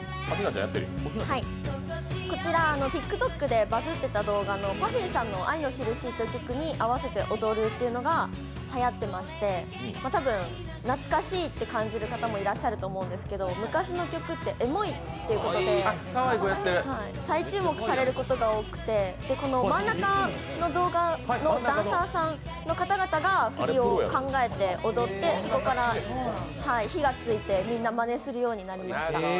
こちら、ＴｉｋＴｏｋでバズっていたＰＵＦＦＹさんの「愛のしるし」という曲に合わせて踊るというのがはやってまして多分、懐かしいと感じる方もいらっしゃると思うんですけど昔の曲ってエモいってことで再注目されることが多くてこの真ん中の動画のダンサーさんの方が振りを考えて踊って、そこからみんなまねするようになりました。